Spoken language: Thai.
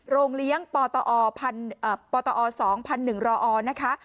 โรงเลี้ยงปตอสองพันหนึ่งรอนะคะ